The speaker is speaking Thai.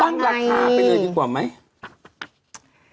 ตั้งรักหาไปเลยดีกว่าไหม